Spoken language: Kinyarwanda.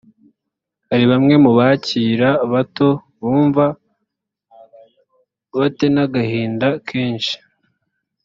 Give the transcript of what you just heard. hari bamwe mu bakiri bato bumva baten’ agahinda kenshi